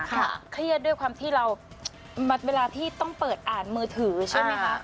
เครียดด้วยความที่เราเวลาที่ต้องเปิดอ่านมือถือใช่ไหมคะ